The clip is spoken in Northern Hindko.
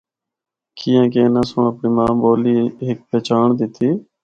کیانکہ اناں سنڑ اپنڑی ماں بولی ہک پہچانڑ دتی۔